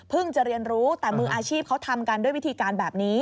จะเรียนรู้แต่มืออาชีพเขาทำกันด้วยวิธีการแบบนี้